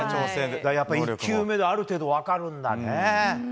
１球目である程度分かるんだね。